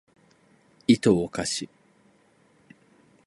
いとをかし